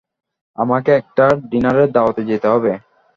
আমাকে একটা ডিনারের দাওয়াতে যেতে হবে।